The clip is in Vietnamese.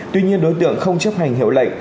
tuy nhiên đối tượng không chấp hành hiệu lệnh